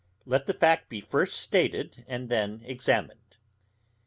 Let the fact be first stated, and then examined.